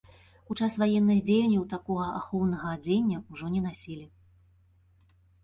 У час ваенных дзеянняў такога ахоўнага адзення ўжо не насілі.